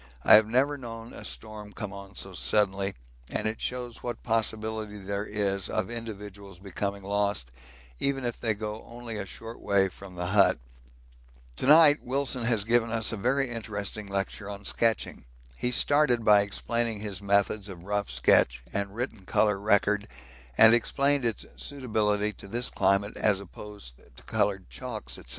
I have never known a storm come on so suddenly, and it shows what possibility there is of individuals becoming lost even if they only go a short way from the hut. To night Wilson has given us a very interesting lecture on sketching. He started by explaining his methods of rough sketch and written colour record, and explained its suitability to this climate as opposed to coloured chalks, &c.